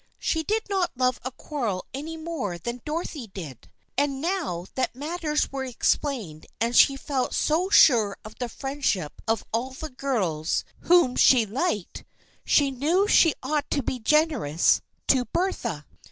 She did not love a quarrel any more than Dorothy did, and now that matters were explained and she felt so sure of the friendship of all the girls whom she liked, she knew that she ought to be generous to Bertha.